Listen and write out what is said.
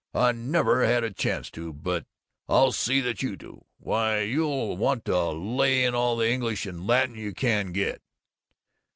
I never had a chance to, but I'll see that you do why, you'll want to lay in all the English and Latin you can get."